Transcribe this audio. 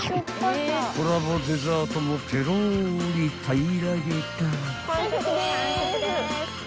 ［コラボデザートもペロリ平らげた］